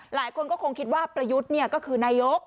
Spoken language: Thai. หลายคนก็คงคิดว่าประยุทธ์ก็คือนายก